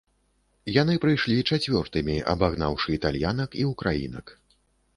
Яны прыйшлі чацвёртымі, абагнаўшы італьянак і ўкраінак.